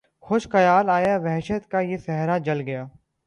کچھ خیال آیا تھا وحشت کا کہ صحرا جل گیا